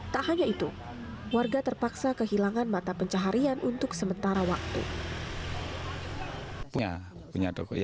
tak hanya itu warga terpaksa kehilangan mata pencaharian untuk sementara waktu